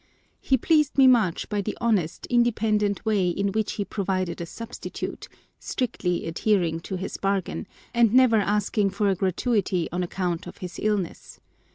He pleased me much by the honest independent way in which he provided a substitute, strictly adhering to his bargain, and never asking for a gratuity on account of his illness.